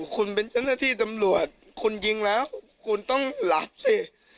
คุณเป็นเจ้าหน้าที่ตำรวจคุณยิงแล้วคุณต้องหลับสิ